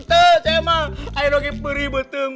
saya mau pergi ke peri beteng